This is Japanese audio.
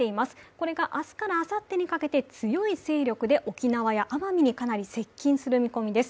これが明日からあさってにかけて、強い勢力で、沖縄や奄美にかなり接近する見込みです。